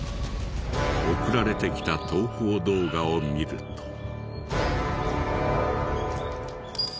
送られてきた投稿動画を見ると。